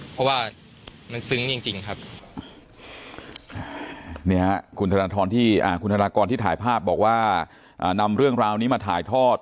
เพราะว่ามันซึ้งจริงครับคุณธนทรที่คุณธนากรที่ถ่ายภาพบอกว่านำเรื่องราวนี้มาถ่ายทอด